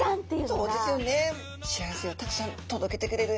そうですよね。